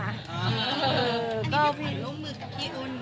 ไม่ฝ่ายร่วมมือพี่อ้อน